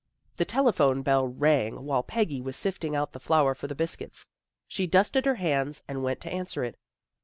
The telephone bell rang while Peggy was sifting out the flour for the biscuits. She dusted her hands, and went to answer it.